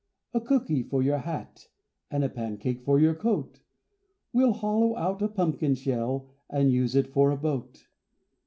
A cooky for your hat, And a pancake for your coat; We'll hollow out a pumpkin shell And use it for a boat.